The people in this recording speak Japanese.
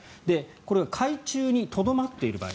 これが海中にとどまっている場合